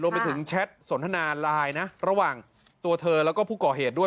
ไปถึงแชทสนทนาไลน์นะระหว่างตัวเธอแล้วก็ผู้ก่อเหตุด้วย